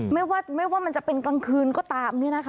ไม่ว่ามันจะเป็นกลางคืนก็ตาม